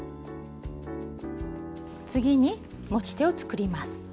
次に持ち手を作ります。